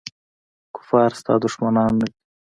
کفار ستا دښمنان نه دي.